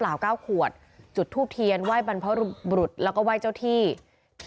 เก้าขวดจุดทูบเทียนไหว้บรรพบรุษแล้วก็ไหว้เจ้าที่